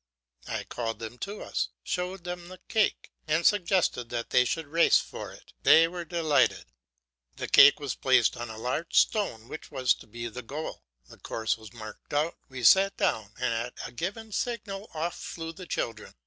I called them to us, showed them the cake, and suggested that they should race for it. They were delighted. The cake was placed on a large stone which was to be the goal; the course was marked out, we sat down, and at a given signal off flew the children!